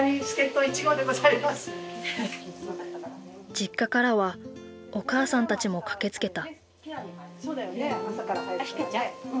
実家からはお母さんたちも駆けつけた。